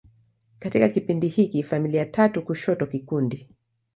Katika kipindi hiki, familia tatu kushoto kikundi.